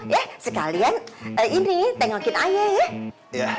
ya sekalian ini tengokin ayah ya